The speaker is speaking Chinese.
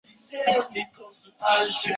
莫莱昂利沙尔人口变化图示